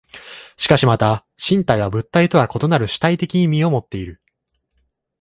しかしまた身体は物体とは異なる主体的意味をもっている。